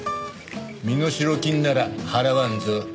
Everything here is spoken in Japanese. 身代金なら払わんぞ。